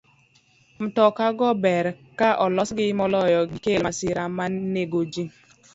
Mtoka go ber ka olosgi moloyo gikel masira ma nego ji.